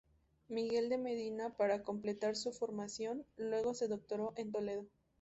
Miguel de Medina para completar su formación; luego se doctoró en Toledo.